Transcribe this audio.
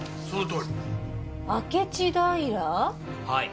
はい。